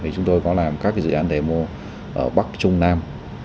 chúng tôi có làm các dự án để mua ở bắc trung nam